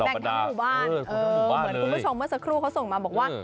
ทั้งหมู่บ้านเออเหมือนคุณผู้ชมเมื่อสักครู่เขาส่งมาบอกว่า